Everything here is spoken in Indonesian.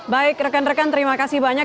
baik rekan rekan terima kasih banyak